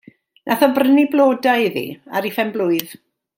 Nath o brynu blodau iddi ar 'i phen-blwydd.